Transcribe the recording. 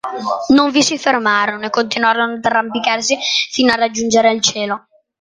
Non vi si fermarono, e continuarono ad arrampicarsi fino a raggiungere il cielo.